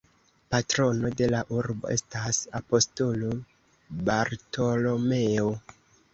Patrono de la urbo estas Apostolo Bartolomeo.